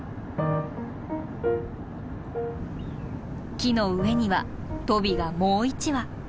木の上にはトビがもう一羽。